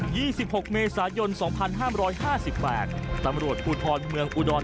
ี่สิบหกเมษายนสองพันห้ามร้อยห้าสิบแปดตำรวจภูทรเมืองอุดร